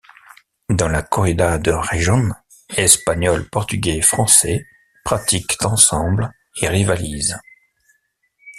Dans la corrida de rejón, Espagnols, Portugais et Français pratiquent ensemble et rivalisent.